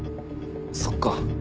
そっか。